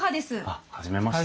あっ初めまして。